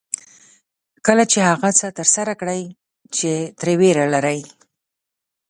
کله چې هغه څه ترسره کړئ چې ترې وېره لرئ.